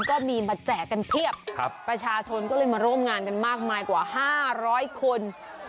ก็มีมาแจกกันเพียบประชาชนก็เลยมาร่วมงานกันมากมายกว่า๕๐๐คน